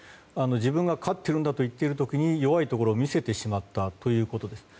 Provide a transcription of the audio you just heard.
自分が勝っているんだという時に弱いところを見せてしまったということです。